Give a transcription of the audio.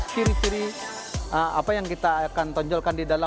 kiri kiri apa yang kita akan tonjolkan di dalam